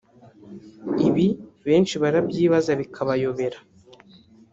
Ibi benshi barabyibaza bikabayobera